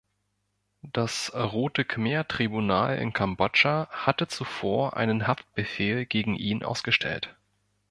Das Rote-Khmer-Tribunal in Kambodscha hatte zuvor einen Haftbefehl gegen ihn ausgestellt.